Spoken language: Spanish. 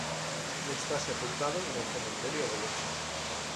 Está sepultado en el cementerio de Loches.